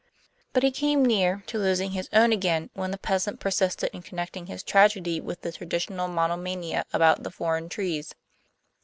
But he came near to losing his own again when the peasant persisted in connecting his tragedy with the traditional monomania about the foreign trees.